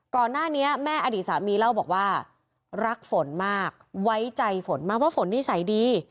ก่อนหน้านี้แม่อดีตสามีเล่าบอกว่ารักฝนมากไว้ใจฝนมากเพราะฝนนิสัยดี